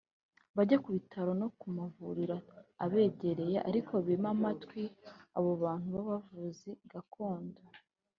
bajye ku bitaro no mu mavuriro abegereye ariko bime amatwi abo bantu b’abavuzi gakondo